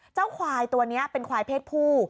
เจ้าควายตัวนี้เป็นควายเพศผู้